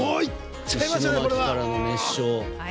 石巻からの熱唱。